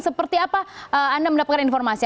seperti apa anda mendapatkan informasi